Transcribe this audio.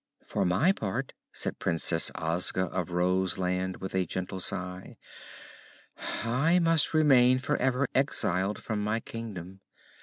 "For my part," said Princess Ozga of Roseland, with a gentle sigh, "I must remain forever exiled from my Kingdom.